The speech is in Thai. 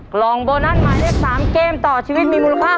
กล่องโบนัสหมายเลข๓เกมต่อชีวิตมีหมด๑๐ประวัติศาสตร์